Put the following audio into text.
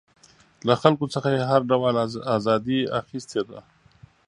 له خلکو څخه یې هر ډول ازادي اخیستې ده.